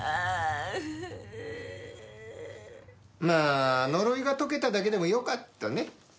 まあ呪いが解けただけでもよかったね。